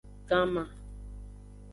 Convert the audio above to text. Ganma.